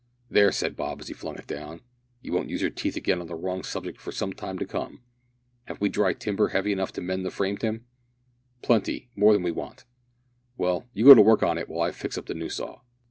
"There," said Bob, as he flung it down, "you won't use your teeth again on the wrong subject for some time to come. Have we dry timber heavy enough to mend the frame, Tim?" "Plenty more than we want." "Well, you go to work on it while I fix up the new saw."